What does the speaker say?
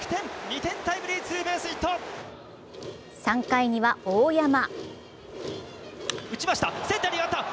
３回には大山。